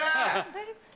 大好き。